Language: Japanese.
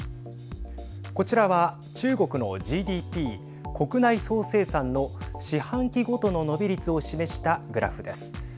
こちらは中国のＧＤＰ＝国内総生産の四半期ごとの伸び率を示したグラフです。